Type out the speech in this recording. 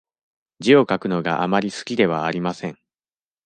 字を書くのがあまり好きではありません。